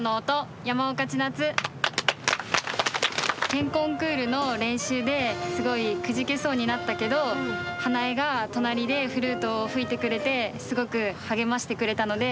県コンクールの練習ですごいくじけそうになったけど英恵が隣でフルートを吹いてくれてすごく励ましてくれたので。